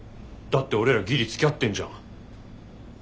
だって俺らギリつきあってんじゃん。